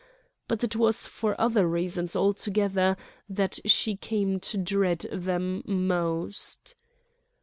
But it was for other reasons altogether that she came to dread them most.